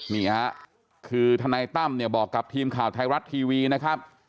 นี่ฮะคือทนายตั้มเนี่ยบอกกับทีมข่าวไทยรัฐทีวีนะครับ